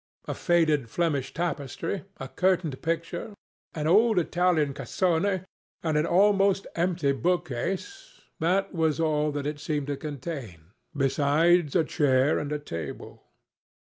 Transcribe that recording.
A faded Flemish tapestry, a curtained picture, an old Italian cassone, and an almost empty book case—that was all that it seemed to contain, besides a chair and a table.